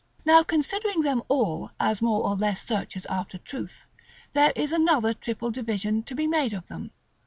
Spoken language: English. Now, considering them all as more or less searchers after truth, there is another triple division to be made of them.